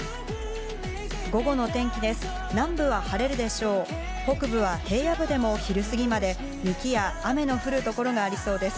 午後の天気です。